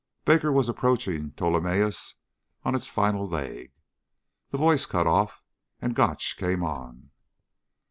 Baker was approaching Ptolemaeus on its final leg. The voice cut off and Gotch came on.